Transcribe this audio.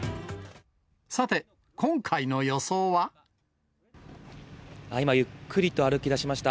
さて、今、ゆっくりと歩きだしました。